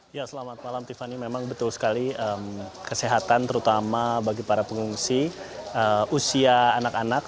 ya selamat malam tiffany memang betul sekali kesehatan terutama bagi para pengungsi usia anak anak